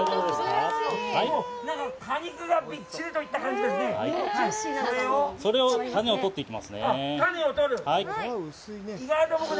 果肉がびっちりといった感じですね。